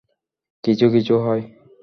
কিছু কিছু হয়।